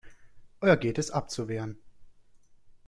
Euergetes abzuwehren.